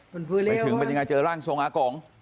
ไปถึงเป็นยังไงเจอร่างทรงอากง